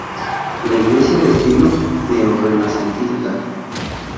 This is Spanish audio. La iglesia es de estilo neorrenacentista.